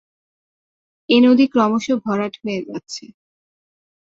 এ নদী ক্রমশ ভরাট হয়ে যাচ্ছে।